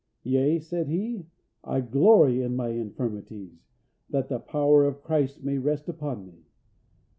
"Yea," said he, "I glory in my infirmities, that the power of Christ may rest upon me."